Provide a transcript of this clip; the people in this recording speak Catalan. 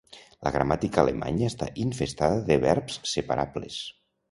La gramàtica alemanya està infestada de verbs separables.